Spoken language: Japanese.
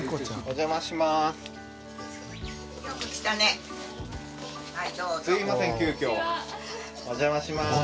お邪魔します。